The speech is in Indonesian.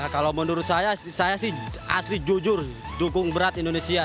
kalau menurut saya saya sih asli jujur dukung berat indonesia